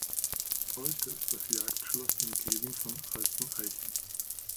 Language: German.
Heute ist das Jagdschloss umgeben von alten Eichen.